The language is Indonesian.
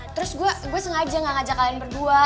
terus gue sengaja gak ngajak kalian berdua